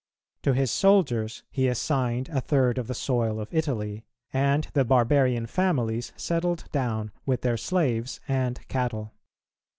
To his soldiers he assigned a third of the soil of Italy, and the barbarian families settled down with their slaves and cattle.